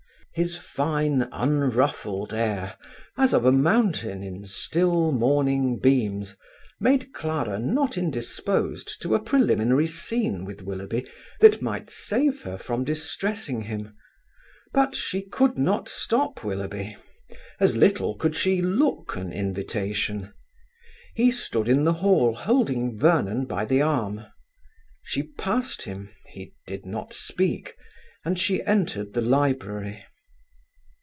His fine unruffled air, as of a mountain in still morning beams, made Clara not indisposed to a preliminary scene with Willoughby that might save her from distressing him, but she could not stop Willoughby; as little could she look an invitation. He stood in the Hall, holding Vernon by the arm. She passed him; he did not speak, and she entered the library.